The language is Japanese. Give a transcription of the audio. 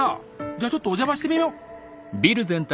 じゃちょっとお邪魔してみよう。